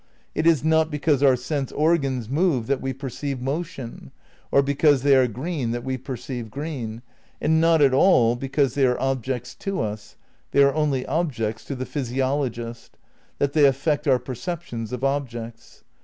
It is not because our sense organs move that we perceive motion, or because they are green that we perceive green, and not at aU because they are objects to us (they are only objects to the physiologist) that they affect our perceptions of objects.